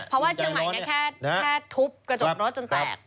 เพราะว่าเชียงใหม่แค่ทุบกระจกรถจนแตก